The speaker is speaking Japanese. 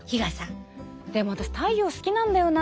でも私太陽好きなんだよな。